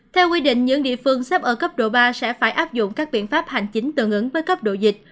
theo quy định những địa phương xếp ở cấp độ ba sẽ phải áp dụng các biện pháp hành chính tương ứng với cấp độ dịch